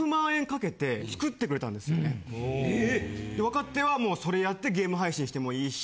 若手はもうそれやってゲーム配信してもいいし。